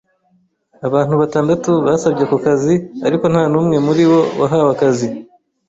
Abantu batandatu basabye ako kazi, ariko nta n'umwe muri bo wahawe akazi.